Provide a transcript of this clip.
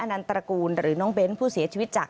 นันตระกูลหรือน้องเบ้นผู้เสียชีวิตจาก